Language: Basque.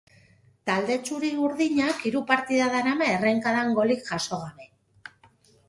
Talde txuri-urdinak hiru partida darama errenkadan golik jaso gabe.